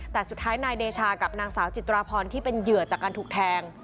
แต่สุดท้ายนายเดชากับนางสาวจิตราพรที่เป็นเหยื่อจากการถูกแทง